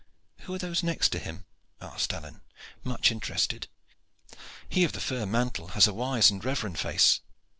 "Who are those next to him?" asked Alleyne, much interested. "He of the fur mantle has a wise and reverent face."